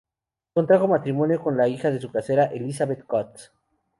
Contrajo matrimonio con la hija de su casera, Elizabeth Cutts.